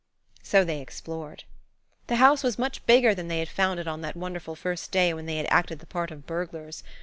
So they explored. The house was much bigger than they had found it on that wonderful first day when they had acted the part of burglars.